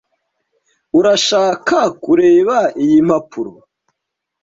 Urashaka kureba iyi mpapuro?